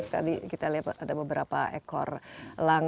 tadi kita lihat ada beberapa ekor elang